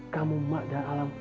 kamu emak dan alam